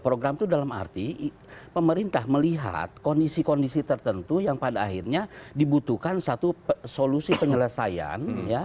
program itu dalam arti pemerintah melihat kondisi kondisi tertentu yang pada akhirnya dibutuhkan satu solusi penyelesaian